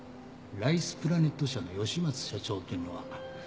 ライスプラネット社の吉松社長っていうのは。